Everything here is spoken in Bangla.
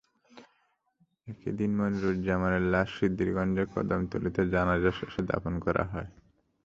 একই দিন মনিরুজ্জামানের লাশ সিদ্ধিরগঞ্জের কদমতলীতে জানাজা শেষে দাফন করা হয়।